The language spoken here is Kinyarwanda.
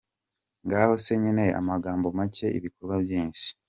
Ngaho se nyine amagambo make ibikorwa byinshi!